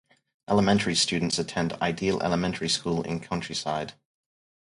Elementary students attend Ideal Elementary School in Countryside.